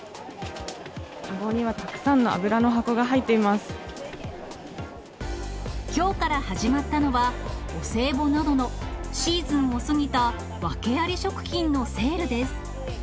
籠にはたくさんの油の箱が入きょうから始まったのは、お歳暮などのシーズンを過ぎた訳あり食品のセールです。